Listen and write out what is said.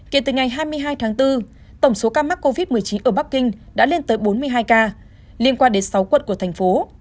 kể từ ngày hai mươi hai tháng bốn tổng số ca mắc covid một mươi chín ở bắc kinh đã lên tới bốn mươi hai ca liên quan đến sáu quận của thành phố